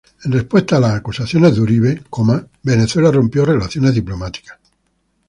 En respuesta a las acusaciones de Uribe Venezuela rompió relaciones diplomáticas.